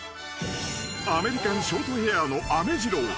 ［アメリカンショートヘアーの飴治郎］